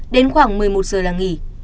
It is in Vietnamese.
đến khoảng một mươi một giờ là nghỉ